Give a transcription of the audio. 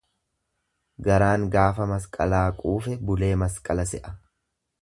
Garaan gaafa masqalaa quufe bulee masqala se'a.